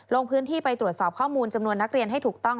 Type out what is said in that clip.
ลงพื้นที่ไปตรวจสอบข้อมูลจำนวนนักเรียนให้ถูกต้อง